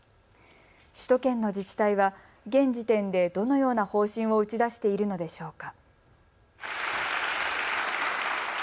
首都圏の自治体は現時点でどのような方針を打ち出しているのでしょうか。